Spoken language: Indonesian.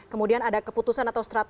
kemudian ada keputusan atau strategi